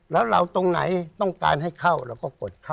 แล้วเราตรงไหนต้องการให้เข้าเราก็กดเข้า